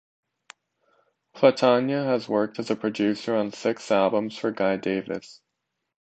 Platania has worked as a producer on six albums for Guy Davis.